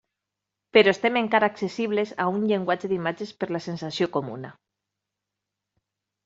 Però estem encara accessibles a un llenguatge d'imatges per la sensació comuna.